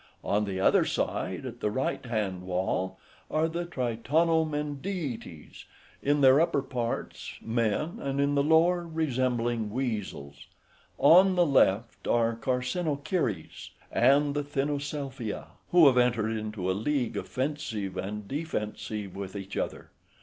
On the other side, at the right hand wall, are the Tritonomendetes, {104b} in their upper parts men, and in the lower resembling weasels. On the left are the Carcinochires, {104c} and the Thynnocephali, {104d} who have entered into a league offensive and defensive with each other.